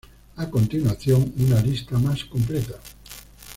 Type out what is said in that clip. A continuación una lista más completa.